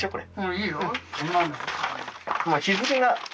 いいよ。